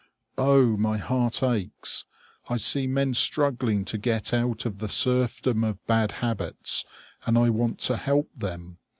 O! my heart aches! I see men struggling to get out of the serfdom of bad habits, and I want to help them.